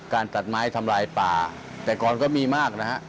ตัดไม้ทำลายป่าแต่ก่อนก็มีมากนะฮะ